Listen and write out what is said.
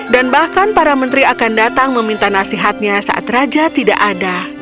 dan bahkan para menteri akan datang meminta nasihatnya saat raja tidak ada